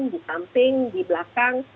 di samping di belakang